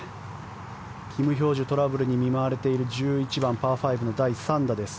キム・ヒョージュトラブルに見舞われている１１番、パー５の第３打です。